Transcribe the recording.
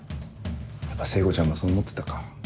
やっぱ聖子ちゃんもそう思ってたか。